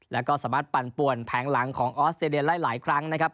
แล้วก็สามารถปั่นป่วนแผงหลังของออสเตรเลียได้หลายครั้งนะครับ